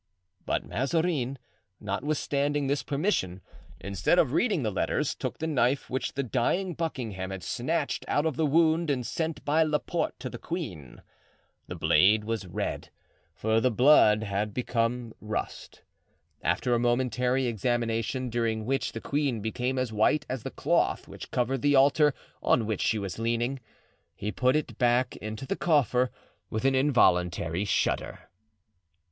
But Mazarin, notwithstanding this permission, instead of reading the letters, took the knife which the dying Buckingham had snatched out of the wound and sent by Laporte to the queen. The blade was red, for the blood had become rust; after a momentary examination during which the queen became as white as the cloth which covered the altar on which she was leaning, he put it back into the coffer with an involuntary shudder.